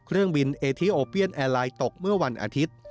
เครื่องบินเอทีโอเปียนแอร์ไลน์ตกเมื่อวันอาทิตย์